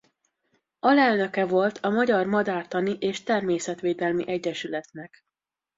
Alelnöke volt a Magyar Madártani és Természetvédelmi Egyesületnek.